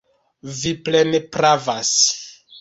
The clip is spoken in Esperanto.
Vi plene pravas.